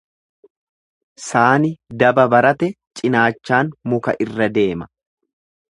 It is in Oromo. Saani daba barate cinaachaan muka irra deema.